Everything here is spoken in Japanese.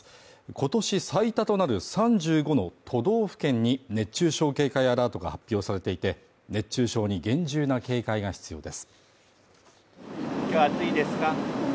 今年最多となる３５の都道府県に熱中症警戒アラートが発表されていて熱中症に厳重な警戒が必要です